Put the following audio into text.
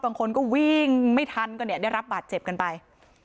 บางคนก็วิ่งไม่ทันก็เนี่ยได้รับบาดเจ็บกันไป